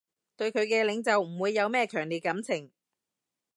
對佢嘅領袖唔會有咩強烈感情